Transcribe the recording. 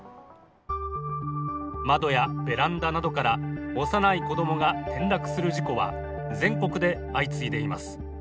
窓やベランダなどから幼い子供が転落する事故は全国で相次いでいます。